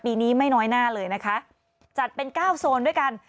ปีนี้ไม่น้อยหน้าเลยนะคะจัดเป็นเก้าโซนด้วยกัน